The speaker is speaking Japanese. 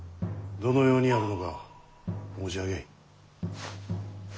どのようにやるのか申し上げい。